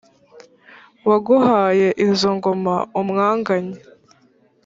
waguhaye izo ngoma umwanganye,